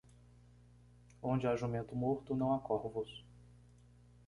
Onde há jumento morto, não há corvos.